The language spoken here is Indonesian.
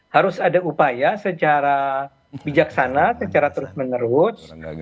harus ada upaya secara bijaksana secara terus menerus